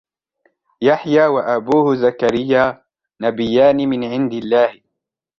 يحيى وأبوه زكريا نبيان من عند الله.